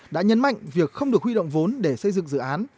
đã nhấn mạnh việc không được huy động vốn để xây dựng dự án